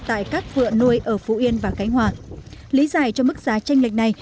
tại các vựa nuôi ở phú yên và khánh hòa lý giải cho mức giá tranh lệch này